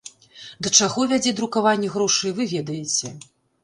Да чаго вядзе друкаванне грошай, вы ведаеце.